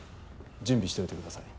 準備しておいてください